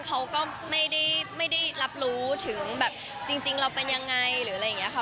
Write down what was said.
เขาก็ไม่ได้รับรู้ถึงแบบจริงเราเป็นยังไงหรืออะไรอย่างนี้ค่ะ